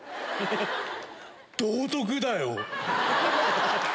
道徳だよ。